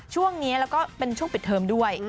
ช่วงนี้แล้วก็เป็นช่วงปิดเทอมด้วย